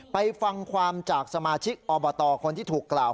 ไปฟังความจากสมาชิกอบตคนที่ถูกกล่าว